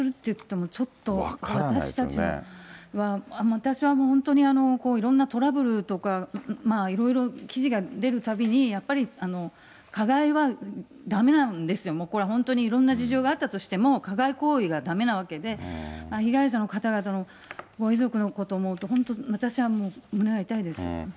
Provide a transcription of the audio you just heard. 私はもう、本当にいろんなトラブルとか、いろいろ記事が出るたびに、やっぱり加害はだめなんですよ、もうこれは本当にいろんな事情があったとしても、加害行為はだめなわけで、被害者の方々のご遺族のこと思うと、私はもう、胸が痛いです。